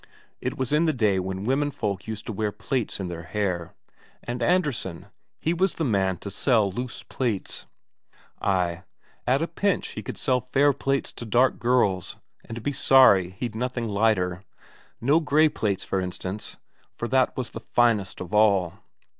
It was in the day when womenfolk used to wear loose plaits in their hair; and Andresen, he was the man to sell loose plaits. Ay, at a pinch he could sell fair plaits to dark girls, and be sorry he'd nothing lighter; no grey plaits, for instance, for that was the finest of all.